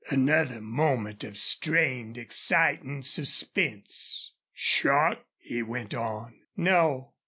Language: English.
Another moment of strained exciting suspense. "Shot?" he went on. "No."